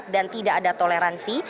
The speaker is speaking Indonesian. dan tidak ada toleransi